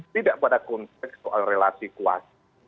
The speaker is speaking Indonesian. tidak pada konteks soal relasi kuasa